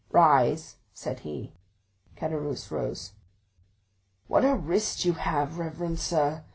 40162m "Rise!" said he. Caderousse rose. "What a wrist you have, reverend sir!"